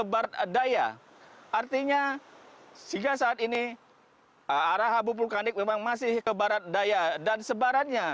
barat daya artinya hingga saat ini arah abu vulkanik memang masih ke barat daya dan sebarannya